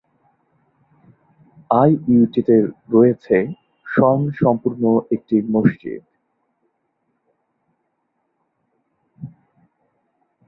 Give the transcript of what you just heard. I U T তে রয়েছে স্বয়ংসম্পূর্ণ একটি মসজিদ।